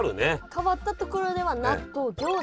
変わったところでは納豆ギョーザ。